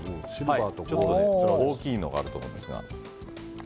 大きいのがあると思うんですが。